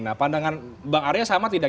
nah pandangan bang arya sama tidak